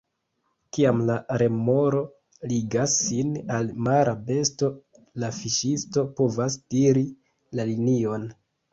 Kiam la remoro ligas sin al mara besto, la fiŝisto povas tiri la linion.